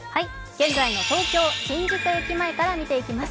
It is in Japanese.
現在の東京・新宿駅前から見ていきます。